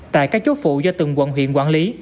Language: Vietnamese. tại các chốt phụ do từng quận huyện quản lý